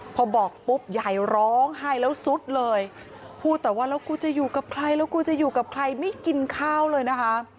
พอบอกปุ๊บยายร้องไห้แล้วสุดเลยพูดแต่ว่าแล้วกูจะอยู่กับใครแล้วกูจะอยู่กับใครไม่กินข้าวเลยนะคะ